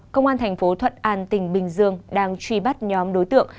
công an thành phố thuận an tỉnh bình dương đang truy bắt nhóm đối tượng